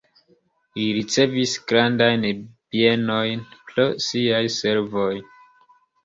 Li ricevis grandajn bienojn pro siaj servoj.